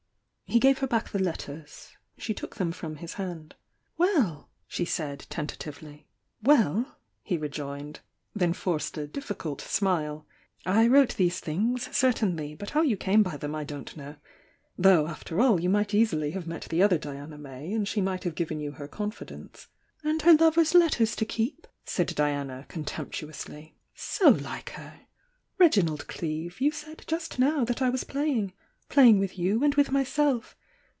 He gave her back the letters. She took them from his hand. 'Well!" she said, tentatively. ^^ "Well!" he rejoined— then forced a difficult smile— "I wrote these things, certainly, but how you came by them I don't know. Though, after all, you might easily have met the other Diana May, and she might have given you her confidence " "And her lover's letters to keep?" said Diana, con temptuously. "So like her! Reginald Cleeve, you said just now that I was playing — playing with you and with myself.